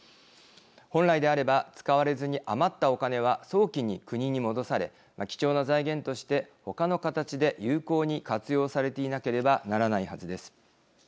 本来であれば使われずに余ったお金は早期に国に戻され貴重な財源として他の形で有効に活用されていなければならないはずです。